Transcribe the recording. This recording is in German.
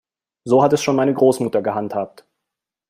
So hat es schon meine Großmutter gehandhabt.